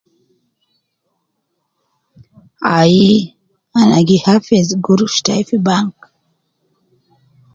Ai, ana gi hafiz gurush tayi fi bank.